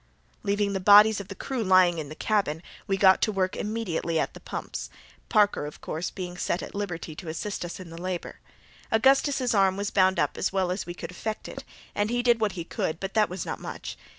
Leaving the bodies of the crew lying in the cabin, we got to work immediately at the pumps—Parker, of course, being set at liberty to assist us in the labour. Augustus's arm was bound up as well as we could effect it, and he did what he could, but that was not much.